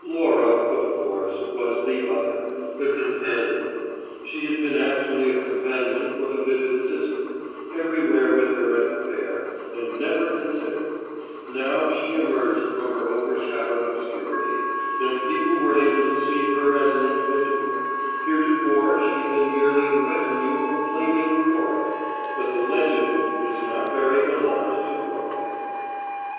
Laura, of course, was the other, the companion; she had been actually a companion for the vivid sister, everywhere with her at the fair, and never considered: now she emerged from her overshadowed obscurity, and people were able to see her as an individual heretofore she had been merely the retinue of a flaming Cora. But the "legend" was not very gallant to Cora!